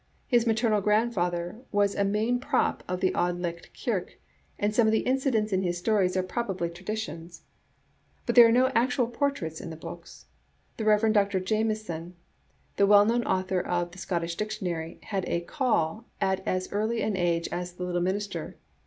His maternal grandfather was a main prop of the Auld Licht kirk, and some of the incidents in his stories are prob ably traditions. But there are no actual portraits in the books. The Rev. Dr. Jamieson, the well known author of the "Scottish Dictionary," had a "call" at as early an age as the "Little Minister."